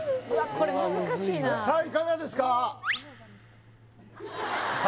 これ難しいなさあいかがですか？